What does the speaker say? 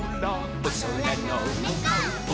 「おそらのむこう！？